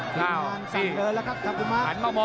สั่งเดินแล้วครับทักุมะ